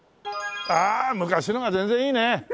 ああ昔のが全然いいね。